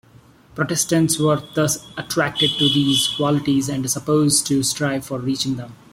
Protestants were thus attracted to these qualities and supposed to strive for reaching them.